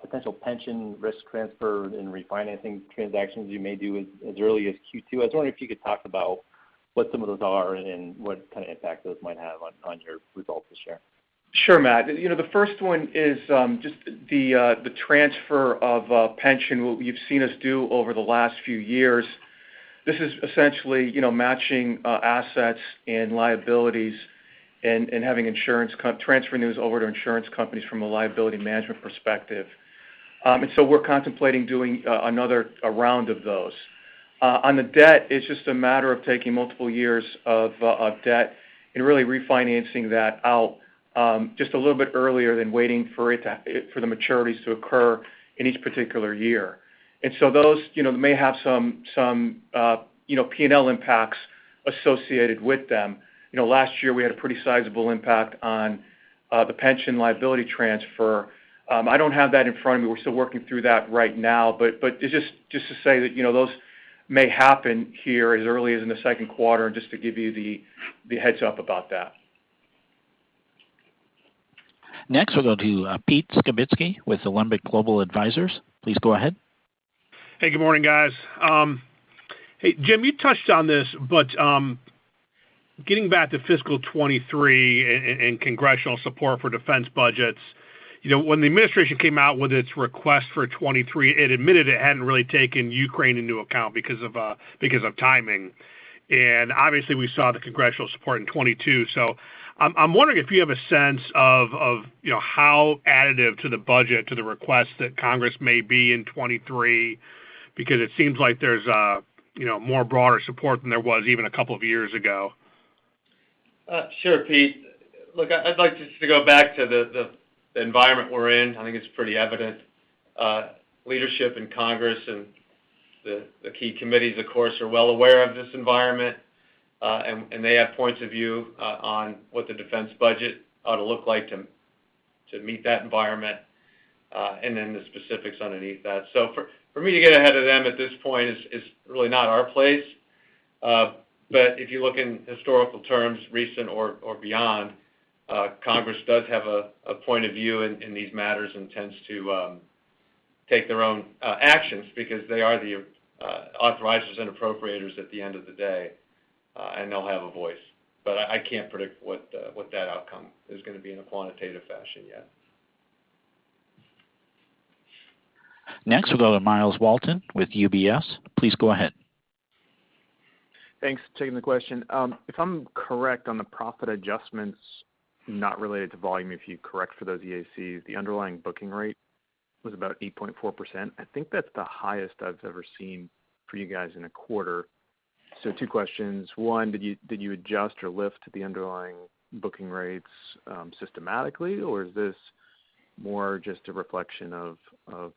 potential pension risk transfer and refinancing transactions you may do as early as Q2. I was wondering if you could talk about what some of those are and what kind of impact those might have on your results this year.
Sure, Matt. You know, the first one is just the transfer of pension we've seen us do over the last few years. This is essentially, you know, matching assets and liabilities and transferring those over to insurance companies from a liability management perspective. We're contemplating doing another round of those. On the debt, it's just a matter of taking multiple years of debt and really refinancing that out just a little bit earlier than waiting for the maturities to occur in each particular year. Those may have some P&L impacts associated with them. You know, last year, we had a pretty sizable impact on the pension liability transfer. I don't have that in front of me. We're still working through that right now, but just to say that, you know, those may happen here as early as in the second quarter, and just to give you the heads-up about that.
Next, we'll go to Pete Skibitski with Alembic Global Advisors. Please go ahead.
Hey, good morning, guys. Hey, Jim, you touched on this, but getting back to fiscal 2023 and congressional support for defense budgets, you know, when the administration came out with its request for 2023, it admitted it hadn't really taken Ukraine into account because of timing. Obviously, we saw the congressional support in 2022. I'm wondering if you have a sense of, you know, how additive to the budget to the request that Congress may be in 2023 because it seems like there's, you know, more broader support than there was even a couple of years ago.
Sure, Pete. Look, I'd like just to go back to the environment we're in. I think it's pretty evident. Leadership in Congress and the key committees, of course, are well aware of this environment, and they have points of view on what the defense budget ought to look like to meet that environment, and then the specifics underneath that. For me to get ahead of them at this point is really not our place. If you look in historical terms, recent or beyond, Congress does have a point of view in these matters and tends to take their own actions because they are the authorizers and appropriators at the end of the day, and they'll have a voice. I can't predict what that outcome is gonna be in a quantitative fashion yet.
Next, we'll go to Myles Walton with UBS. Please go ahead.
Thanks for taking the question. If I'm correct on the profit adjustments not related to volume, if you correct for those [EACs], the underlying booking rate was about 8.4%. I think that's the highest I've ever seen for you guys in a quarter. Two questions. One, did you adjust or lift the underlying booking rates systematically, or is this more just a reflection of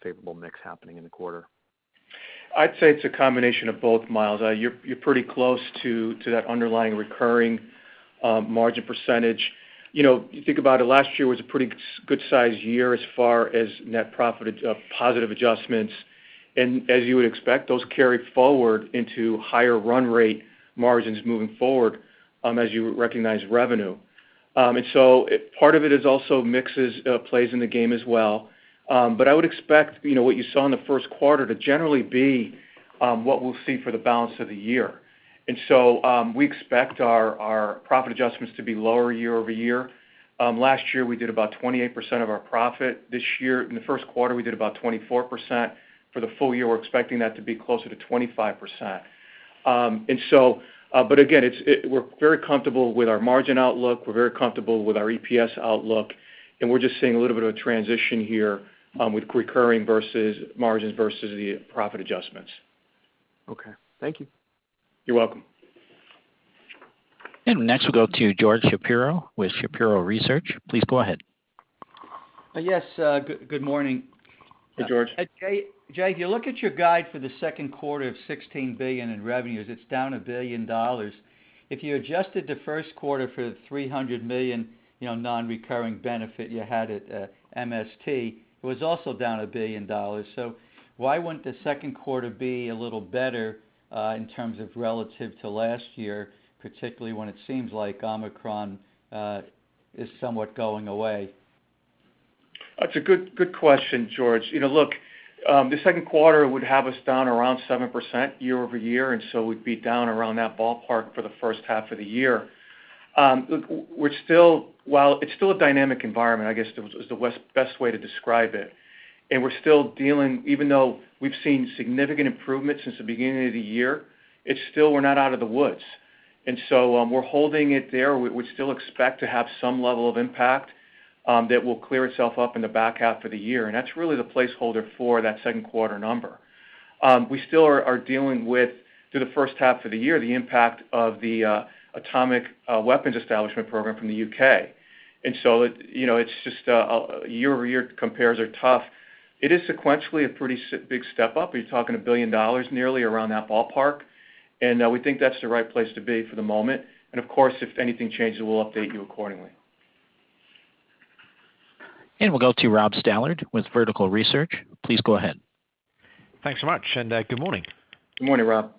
favorable mix happening in the quarter?
I'd say it's a combination of both, Miles. You're pretty close to that underlying recurring margin percentage. You know, you think about it, last year was a pretty good size year as far as net profit positive adjustments. As you would expect, those carry forward into higher run rate margins moving forward as you recognize revenue. Part of it is also mixes plays in the game as well. I would expect, you know, what you saw in the first quarter to generally be what we'll see for the balance of the year. We expect our profit adjustments to be lower year-over-year. Last year, we did about 28% of our profit. This year, in the first quarter, we did about 24%. For the full year, we're expecting that to be closer to 25%. We're very comfortable with our margin outlook. We're very comfortable with our EPS outlook, and we're just seeing a little bit of a transition here, with recurring versus margins versus the profit adjustments.
Okay. Thank you.
You're welcome.
Next, we'll go to George Shapiro with Shapiro Research. Please go ahead.
Yes, good morning.
Hey, George.
Jay, if you look at your guide for the second quarter of $16 billion in revenues, it's down a billion dollars. If you adjusted the first quarter for the $300 million, you know, non-recurring benefit you had at RMS, it was also down a billion dollars. Why wouldn't the second quarter be a little better in terms of relative to last year, particularly when it seems like Omicron is somewhat going away?
That's a good question, George. You know, look, the second quarter would have us down around 7% year-over-year, and so we'd be down around that ballpark for the first half of the year. While it's still a dynamic environment, I guess, is the best way to describe it. We're still dealing, even though we've seen significant improvements since the beginning of the year, it's still, we're not out of the woods. We're holding it there. We still expect to have some level of impact that will clear itself up in the back half of the year, and that's really the placeholder for that second quarter number. We still are dealing with, through the first half of the year, the impact of the Atomic Weapons Establishment program from the U.K. You know, it's just a year-over-year compares are tough. It is sequentially a pretty big step up. You're talking a billion dollars nearly around that ballpark. We think that's the right place to be for the moment. Of course, if anything changes, we'll update you accordingly.
We'll go to Rob Stallard with Vertical Research. Please go ahead.
Thanks so much, and, good morning.
Good morning, Rob.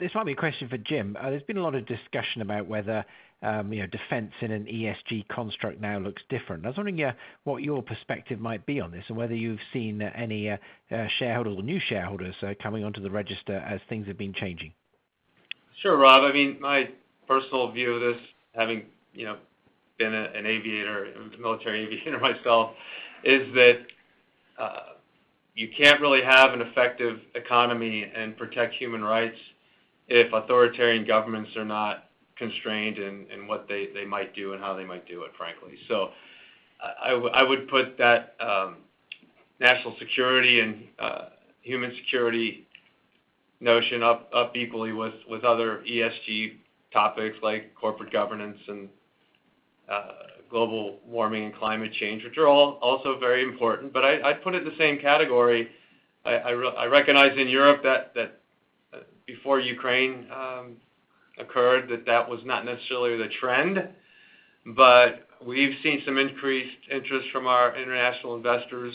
This might be a question for Jim. There's been a lot of discussion about whether, you know, defense in an ESG construct now looks different. I was wondering what your perspective might be on this, and whether you've seen any shareholder or new shareholders coming onto the register as things have been changing.
Sure, Rob. I mean, my personal view of this, having, you know, been an aviator, military aviator myself, is that you can't really have an effective economy and protect human rights if authoritarian governments are not constrained in what they might do and how they might do it, frankly. I would put that national security and human security notion up equally with other ESG topics like corporate governance and global warming and climate change, which are all also very important. I'd put it in the same category. I recognize in Europe that before Ukraine occurred, that was not necessarily the trend, but we've seen some increased interest from our international investors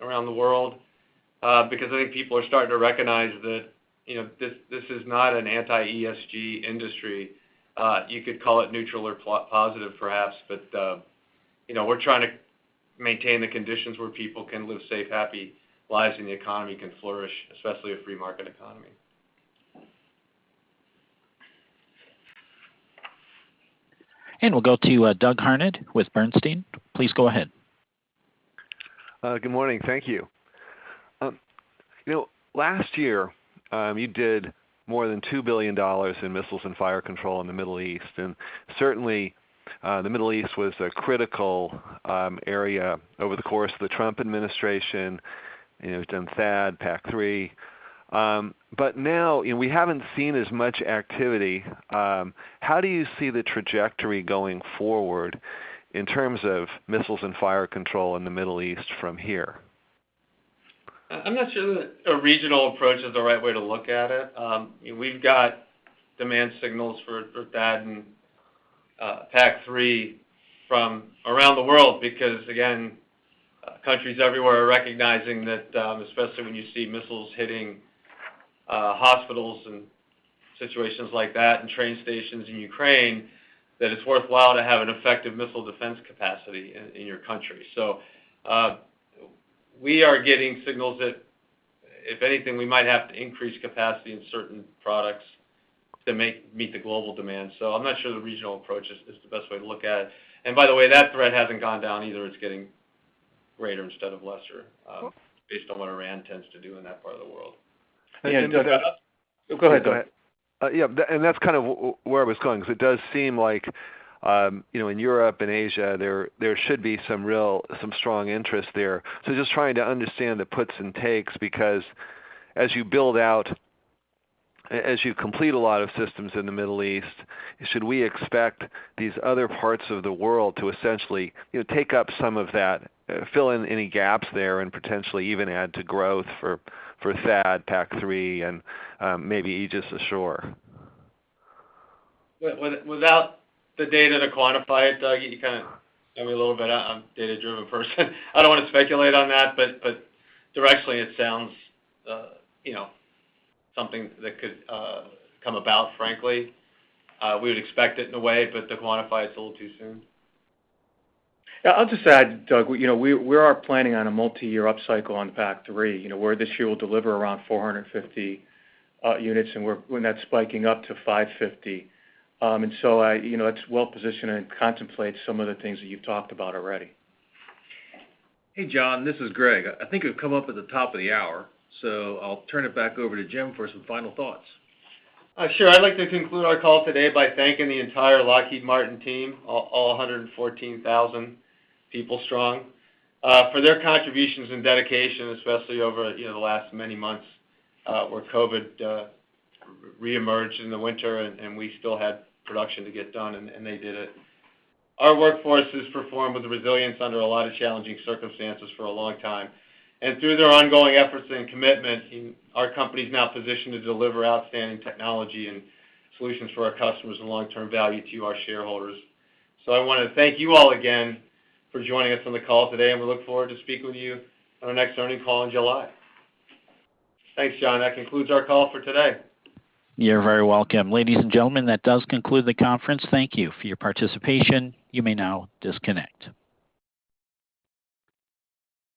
around the world because I think people are starting to recognize that, you know, this is not an anti-ESG industry. You could call it neutral or positive perhaps, but you know, we're trying to maintain the conditions where people can live safe, happy lives and the economy can flourish, especially a free market economy.
We'll go to Douglas Harned with Bernstein. Please go ahead.
Good morning. Thank you. You know, last year, you did more than $2 billion in Missiles and Fire Control in the Middle East. Certainly, the Middle East was a critical area over the course of the Trump administration. You know, it's done THAAD, PAC-3. But now, you know, we haven't seen as much activity. How do you see the trajectory going forward in terms of Missiles and Fire Control in the Middle East from here?
I'm not sure that a regional approach is the right way to look at it. We've got demand signals for THAAD and PAC-3 from around the world because, again, countries everywhere are recognizing that, especially when you see missiles hitting hospitals and situations like that, and train stations in Ukraine, that it's worthwhile to have an effective missile defense capacity in your country. We're getting signals that if anything, we might have to increase capacity in certain products to meet the global demand. I'm not sure the regional approach is the best way to look at it. By the way, that threat hasn't gone down either. It's getting greater instead of lesser, based on what Iran tends to do in that part of the world.
And, uh-
Go ahead.
Go ahead. Yeah, and that's kind of where I was going, 'cause it does seem like, you know, in Europe and Asia, there should be some real, some strong interest there. Just trying to understand the puts and takes because as you build out, as you complete a lot of systems in the Middle East, should we expect these other parts of the world to essentially, you know, take up some of that, fill in any gaps there and potentially even add to growth for THAAD, PAC-3 and maybe Aegis Ashore?
Without the data to quantify it, Doug, you kind of threw me a little bit. I'm data-driven person. I don't want to speculate on that, but directionally it sounds, you know, something that could come about, frankly. We would expect it in a way, but to quantify it's a little too soon. Yeah, I'll just add, Doug, you know, we are planning on a multi-year upcycle on PAC-3. You know, where this year we'll deliver around 450 units, and that's spiking up to 550. You know, it's well-positioned and contemplates some of the things that you've talked about already.
Hey, John, this is Greg. I think we've come up at the top of the hour, so I'll turn it back over to Jim for some final thoughts.
Sure. I'd like to conclude our call today by thanking the entire Lockheed Martin team, all 114,000 people strong, for their contributions and dedication, especially over, you know, the last many months, where COVID reemerged in the winter and we still had production to get done, and they did it. Our workforce has performed with resilience under a lot of challenging circumstances for a long time. Through their ongoing efforts and commitment, our company is now positioned to deliver outstanding technology and solutions for our customers and long-term value to our shareholders. I wanna thank you all again for joining us on the call today, and we look forward to speaking with you on our next earnings call in July.
Thanks, John. That concludes our call for today.
You're very welcome. Ladies and gentlemen, that does conclude the conference. Thank you for your participation. You may now disconnect.